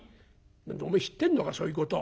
「何だおめえ知ってんのかそういうこと。